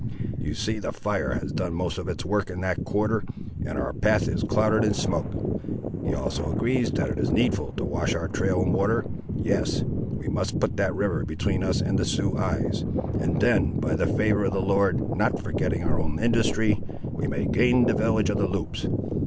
You see the fire has done most of its work in that quarter, and our path is clouded in smoke. He also agrees that it is needful to wash our trail in water. Yes, we must put that river atween us and the Sioux eyes, and then, by the favour of the Lord, not forgetting our own industry, we may gain the village of the Loups."